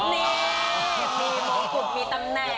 มีมองกุฎมีตำแหน่ง